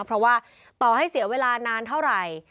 เพราะว่าต่อให้เสียเวลานานเท่าไหร่